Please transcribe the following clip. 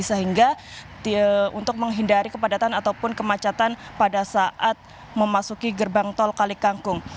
sehingga untuk menghindari kepadatan ataupun kemacetan pada saat memasuki gerbang tol kalikangkung